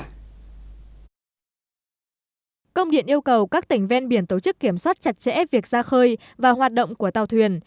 công điện yêu cầu các tỉnh ven biển tổ chức kiểm soát chặt chẽ việc ra khơi và hoạt động của tàu thuyền